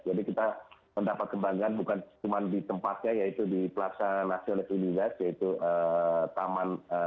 jadi kita mendapat kebanggaan bukan cuma di tempatnya yaitu di plaza nacional unidas yaitu taman